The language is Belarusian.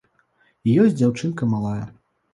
І ёсць дзяўчынка малая.